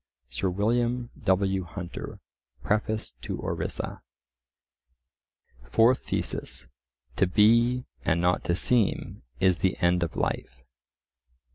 Sir William W. Hunter, Preface to Orissa.) Fourth Thesis:— To be and not to seem is the end of life.